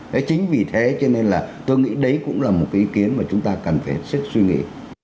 đấy chính vì thế cho nên là tôi nghĩ đấy cũng là một cái ý kiến mà chúng ta cần phải hết sức suy nghĩ